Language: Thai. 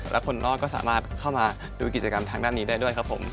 และคนนอกก็สามารถเข้ามาดูกิจกรรมทางด้านนี้ได้ด้วยครับผม